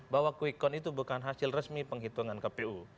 bahwa quick count itu bukan hasil resmi penghitungan kpu